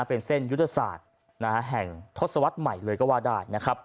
เป็นเส้นยุทธศาสตร์แห่งทศวรรษใหม่เลยก็ว่าได้นะครับ